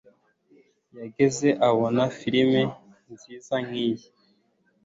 Wigeze ubona film nziza nkiyi?